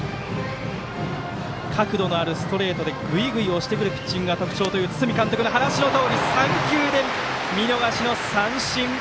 角度のあるストレートでグイグイ押してくるピッチングが特徴という堤監督の話のとおり、３球で見逃し三振。